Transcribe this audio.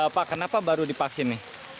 pak kenapa baru divaksin nih